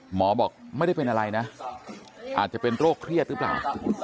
หมอบอกไม่ได้เป็นอะไรนะอาจจะเป็นโรคเครียดหรือเปล่า